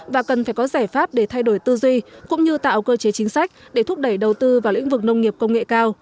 và cần phải có giải pháp để thay đổi tư duy cũng như tạo cơ chế chính sách để thúc đẩy đầu tư vào lĩnh vực nông nghiệp công nghệ cao